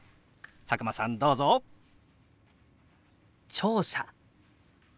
聴者。